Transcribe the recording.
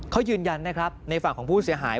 เขายืนยันนะครับในฝั่งของผู้เสียหาย